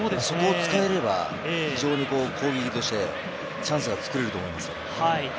そこを使えば非常に攻撃としてチャンスがつくれると思います。